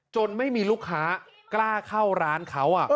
ไม่มีลูกค้ากล้าเข้าร้านเขา